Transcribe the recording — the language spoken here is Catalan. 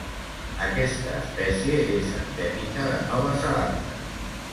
Aquesta espècie és endèmica de Nova Zelanda.